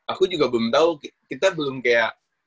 aku juga belum tahu kita belum kayak